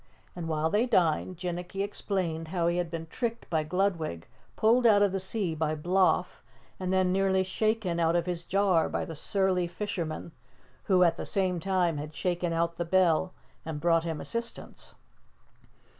And while they dined, Jinnicky explained how he had been tricked by Gludwig, pulled out of the sea by Bloff and then nearly shaken out of his jar by the surly fisherman, who at the same time had shaken out the bell and brought him assistance.